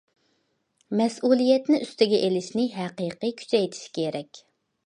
مەسئۇلىيەتنى ئۈستىگە ئېلىشنى ھەقىقىي كۈچەيتىش كېرەك.